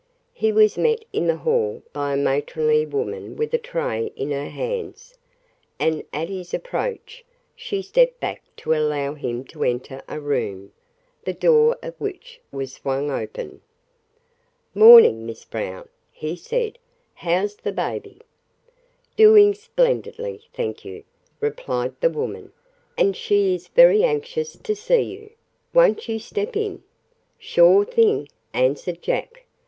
He was met in the hall by a matronly woman with a tray in her hands, and at his approach she stepped back to allow him to enter a room, the door of which was swung open. "Morning, Miss Brown," he said. "How's the baby?" "Doing splendidly, thank you," replied the woman, "and she is very anxious to see you. Won't you step in?" "Sure thing," answered Jack.